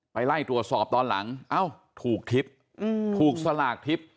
ไปไล่ตรวจสอบตอนหลังเอ้าถูกทริปถูกสลากทริป